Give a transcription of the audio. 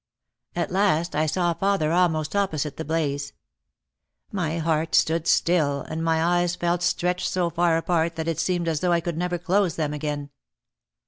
At last I saw father almost opposite the blaze. My heart stood still and my eyes felt stretched so far apart that it seemed as though I could never close them again.